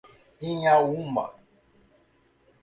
Inhaúma